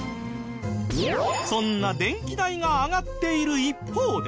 そんな電気代が上がっている一方で。